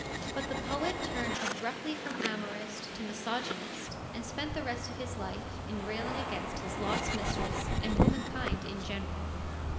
But the poet turned abruptly from amorist to misogynist, and spent the rest of his life in railing against his lost mistress and womankind in general.